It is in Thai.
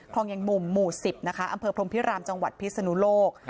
ยังมุมหมู่๑๐นะคะอำเภอพรมพิรามจังหวัดพิศนุโลก